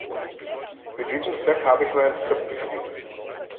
Für diesen Zweck habe ich mir ein Skript geschrieben.